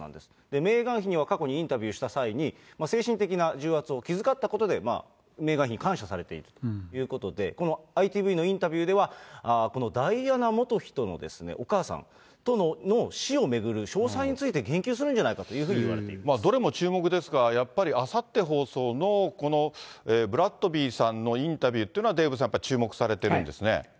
メーガン妃には過去にインタビューした際に、精神的な重圧を気遣ったことでメーガン妃に感謝されているということで、このＩＴＶのインタビューでは、ダイアナ元妃との、お母さんとの死を巡る詳細について言及するんじゃないかというふどれも注目ですが、やっぱりあさって放送のこのブラッドビーさんのインタビューというのは、デーブさん、注目されてるんですね。